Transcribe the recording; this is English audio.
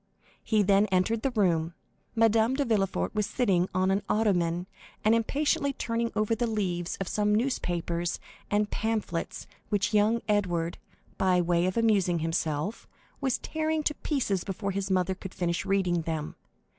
He then entered the room. Madame de Villefort was sitting on an ottoman and impatiently turning over the leaves of some newspapers and pamphlets which young Edward, by way of amusing himself, was tearing to pieces before his mother could finish reading them.